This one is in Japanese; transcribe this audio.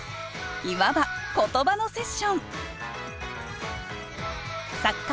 いわば言葉のセッション作家